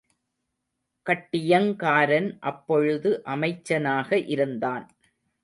கட்டியங்காரன் அப்பொழுது அமைச்சனாக இருந்தான்.